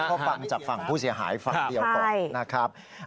เพราะฟังจากฝั่งผู้เสียหายฝั่งเดียวก่อนนะครับ